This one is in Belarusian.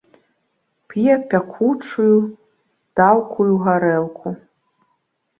П'е пякучую, даўкую гарэлку.